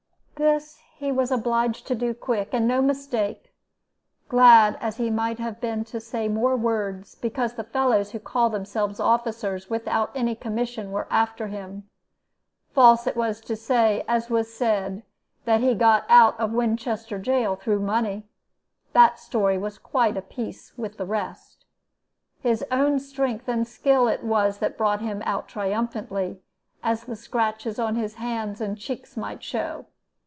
"This he was obliged to do quick, and no mistake, glad as he might have been to say more words, because the fellows who call themselves officers, without any commission, were after him. False it was to say, as was said, that he got out of Winchester jail through money. That story was quite of a piece with the rest. His own strength and skill it was that brought him out triumphantly, as the scratches on his hands and cheeks might show.